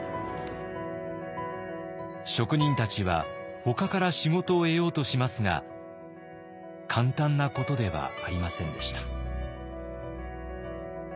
職人たちはほかから仕事を得ようとしますが簡単なことではありませんでした。